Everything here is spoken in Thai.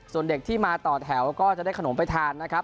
ส่วนเด็กที่มาต่อแถวก็จะได้ขนมไปทานนะครับ